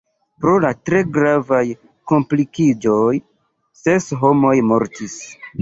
Pro la tre gravaj komplikiĝoj ses homoj mortis.